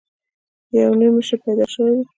یو نوی مشر پیدا شوی وو.